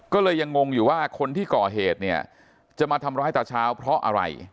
ก็เลยยังงงอยู่ว่าคนที่ก่อเหตุเนี่ยจะมาทำร้ายตาเช้าเพราะอะไร